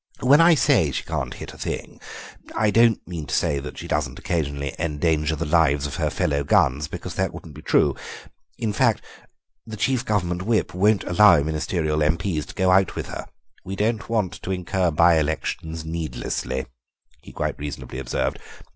When I say she can't hit a thing, I don't mean to say that she doesn't occasionally endanger the lives of her fellow guns, because that wouldn't be true. In fact, the chief Government Whip won't allow Ministerial M.P.'s to go out with her; 'We don't want to incur by elections needlessly,' he quite reasonably observed.